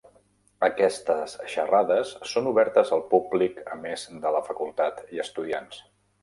Aquestes xarrades són obertes al públic a més de la facultat i estudiants.